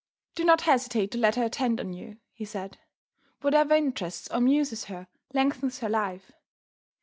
"Do not hesitate to let her attend on you," he said. "Whatever interests or amuses her, lengthens her life.